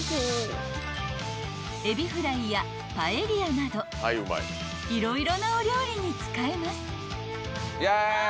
［エビフライやパエリアなど色々なお料理に使えます］